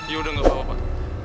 ya udah gak apa apa